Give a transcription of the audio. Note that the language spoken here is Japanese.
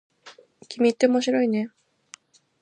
君って面白いね。